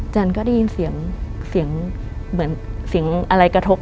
จันก็ได้ยินเสียงเสียงเหมือนเสียงอะไรกระทบ